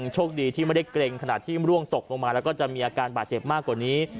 ช่วงดีไม่ได้เกร็งร่วงตกและบาดเจ็บมากกว่านี้